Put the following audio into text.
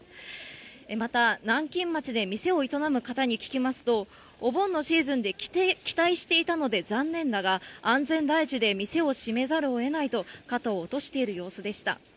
また、南京町で店を営む方に聞きますと、お盆のシーズンで期待していたので残念だが、安全第一で店を閉めざるをえないと肩を落としている様子でした。